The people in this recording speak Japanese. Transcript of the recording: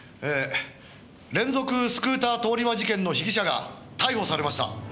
「連続スクーター通り魔事件の被疑者が逮捕されました」